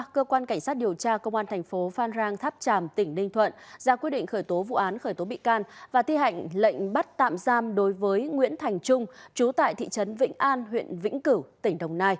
cơ quan cảnh sát điều tra công an tỉnh đồng nai đã tiến hành khởi tố vụ án khởi tố bị can và ra lệnh tạm giam đối với feng yong